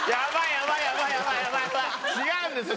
違うんですよ！